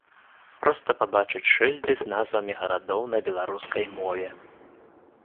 Проста пабачыць шыльды з назвамі гарадоў на беларускай мове!